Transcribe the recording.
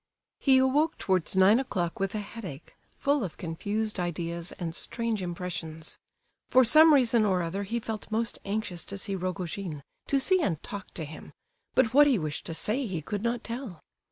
He awoke towards nine o'clock with a headache, full of confused ideas and strange impressions. For some reason or other he felt most anxious to see Rogojin, to see and talk to him, but what he wished to say he could not tell.